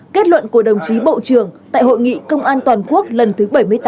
kết luận của đồng chí bộ trưởng tại hội nghị công an toàn quốc lần thứ bảy mươi tám